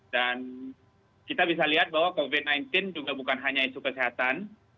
dan kita bisa lihat bahwa covid sembilan belas juga bukan hanya isu kesehatan